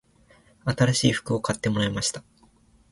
新しい服を買ってもらいました